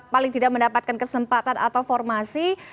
paling tidak mendapatkan kesempatan atau formasi